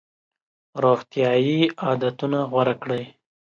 روغتیایي عادتونه غوره کړئ.